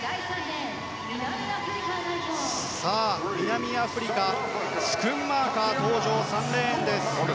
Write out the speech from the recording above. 南アフリカスクンマーカー、３レーンです。